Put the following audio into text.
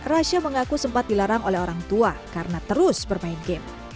rasha mengaku sempat dilarang oleh orang tua karena terus bermain game